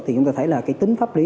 thì chúng ta thấy là cái tính pháp lý